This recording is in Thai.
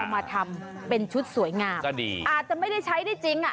มาทำเป็นชุดสวยงามก็ดีอาจจะไม่ได้ใช้ได้จริงอ่ะ